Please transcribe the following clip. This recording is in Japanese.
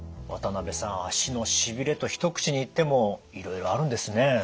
渡辺さん足のしびれと一口に言ってもいろいろあるんですね。